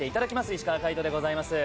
石川界人でございます。